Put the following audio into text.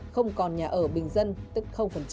không còn nhà ở bình dân tức